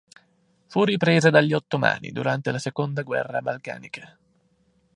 Fu ripresa dagli Ottomani durante la seconda guerra balcanica.